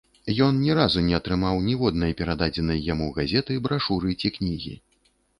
Ён ні разу не атрымаў ніводнай перададзенай яму газеты, брашуры ці кнігі.